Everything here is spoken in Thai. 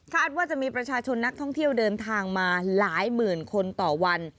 ว่าจะมีประชาชนนักท่องเที่ยวเดินทางมาหลายหมื่นคนต่อวัน